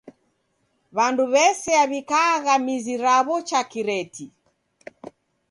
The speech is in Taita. W'andu w'esea w'ikaagha mizi raw'o cha kireti.